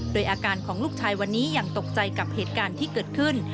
โดยอาการของลูกชายวันนี้ยังตกใจกับเหตุการณ์ที่เกิดขึ้น